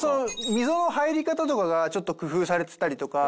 溝の入り方とかがちょっと工夫されてたりとかそういった形で。